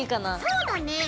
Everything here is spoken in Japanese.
そうだね。